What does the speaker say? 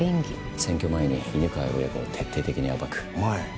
選挙前に犬飼親子を徹底的に暴く。